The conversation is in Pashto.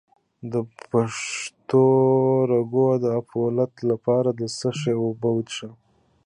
د پښتورګو د عفونت لپاره د څه شي اوبه وڅښم؟